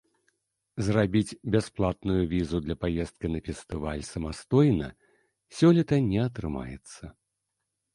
Зрабіць бясплатную візу для паездкі на фестываль самастойна сёлета не атрымаецца.